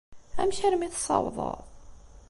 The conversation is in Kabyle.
Amek armi tessawḍeḍ?